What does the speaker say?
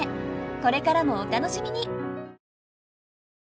これからもお楽しみに。